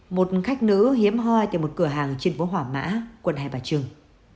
một khách nữ hiếm hoa tại một cửa hàng trên phố hỏa mã quận hai bà trưng